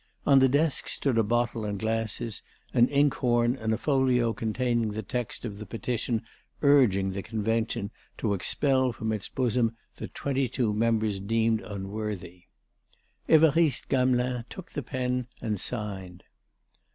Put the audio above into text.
On the desk stood a bottle and glasses, an ink horn, and a folio containing the text of the petition urging the Convention to expel from its bosom the twenty two members deemed unworthy. Évariste Gamelin took the pen and signed.